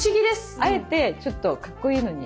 あえてちょっとかっこいいのに。